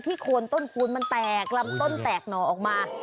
โคนต้นคูณมันแตกลำต้นแตกหน่อออกมา